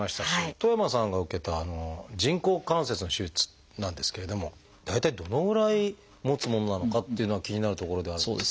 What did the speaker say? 戸山さんが受けた人工関節の手術なんですけれども大体どのぐらいもつものなのかっていうのは気になるところではあるんですが。